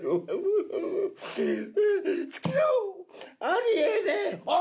あり得ねえ！